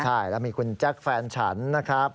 ใช่แล้วมีคุณแจ็คแฟนฉันนะครับ